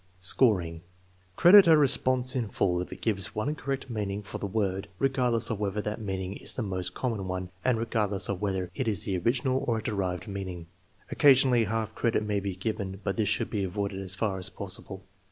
Scoring. Credit a response in full if it gives one correct meaning for the word, regardless of whether that meaning is the most common one, and regardless of whether it is the original or a derived meaning. Occasionally half credit may be given, but this should be avoided as far as possible.